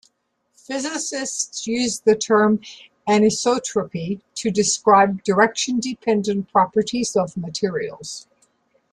Physicists use the term anisotropy to describe direction-dependent properties of materials.